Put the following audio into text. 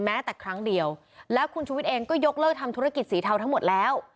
แม้แต่ครั้งเดียวแล้วคุณชุวิตเองก็ยกเลิกทำธุรกิจสีเทาทั้งหมดแล้ว